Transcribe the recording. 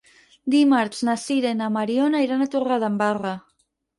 Dimarts na Sira i na Mariona iran a Torredembarra.